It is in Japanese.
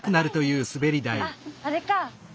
ああれか。